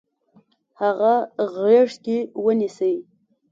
هغه غیږ کې ونیسئ.